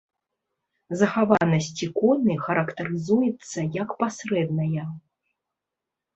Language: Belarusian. Захаванасць іконы характарызуецца як пасрэдная.